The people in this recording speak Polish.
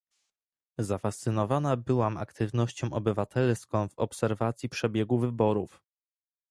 Zafascynowana byłam aktywnością obywatelską w obserwacji przebiegu wyborów